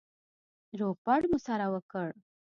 روغبړ مو سره وکړ.